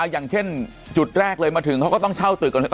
อย่างเช่นจุดแรกเลยมาถึงเขาก็ต้องเช่าตึกก่อน